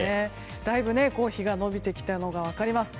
だいぶ日が伸びてきたのが分かります。